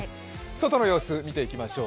外の様子見ていきましょう。